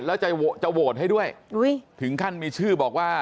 แล้วจะโหวตให้ด้วยถึงขั้นมีชื่อบอกว่า